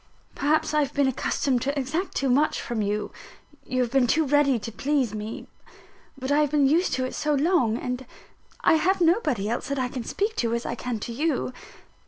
Perhaps I have been accustomed to exact too much from you you have been too ready to please me. But I have been used to it so long; and I have nobody else that I can speak to as I can to you.